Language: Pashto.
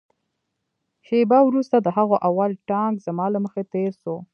شېبه وروسته د هغوى اول ټانک زما له مخې تېر سو.